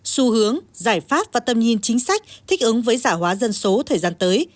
xu hướng giải pháp và tầm nhìn chính sách thích ứng với giả hóa dân số thời gian tới